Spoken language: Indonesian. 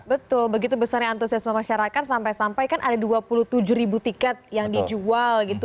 betul begitu besarnya antusiasme masyarakat sampai sampai kan ada dua puluh tujuh ribu tiket yang dijual gitu